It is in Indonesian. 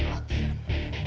pelanggaran aturan latihan